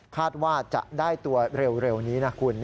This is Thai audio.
คาดว่าจะได้ตัวเร็วนี้นะคุณ